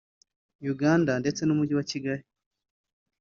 Uganda ndetse n’umujyi wa Kigali